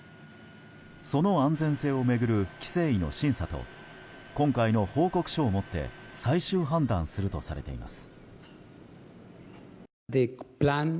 その安全性を巡る規制委の審査と今回の報告書をもって最終判断するとされています。